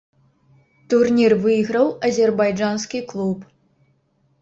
Турнір выйграў азербайджанскі клуб.